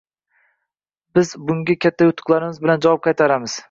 Biz bunga katta yutuqlarimiz bilan javob qaytaramiz.